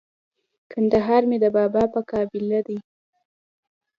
کندهار مي د بابا په قباله دی